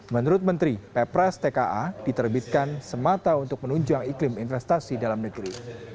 menurut menteri ppres tka diterbitkan semata untuk menunjang iklim investasi dalam negeri